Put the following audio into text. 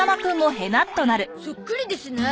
そっくりですな。